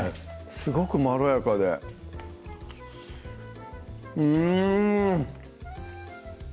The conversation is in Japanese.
すごくまろやかでうん！